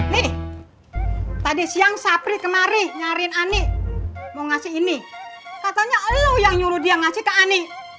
nih tadi siang sapri kemari nyariin ani mau ngasih ini katanya ayo yang nyuruh dia ngasih ke ani